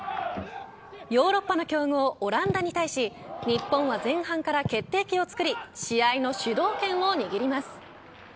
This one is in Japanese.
ヨーロッパの強豪オランダに対し日本は前半から決定機をつくり試合の主導権を握ります。